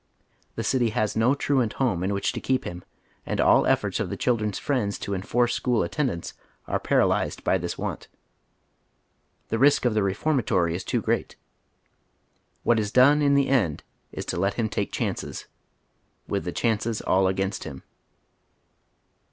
The city has no Truant Ilome in which to keep him, and all efforts of the children's friends to en force school attendance are paralyzed by this want. The risk of the reformatory is too gi eat. What is done iu the end is to let him take chanees^with the chances all against him.